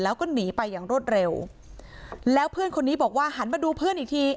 แล้วก็หนีไปอย่างรวดเร็วแล้วเพื่อนคนนี้บอกว่าหันมาดูเพื่อนอีกที